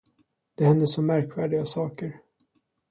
Det händer så märkvärdiga saker.